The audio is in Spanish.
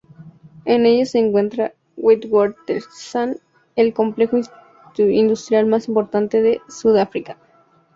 En ella se encuentra Witwatersrand, el complejo industrial más importante de Sudáfrica.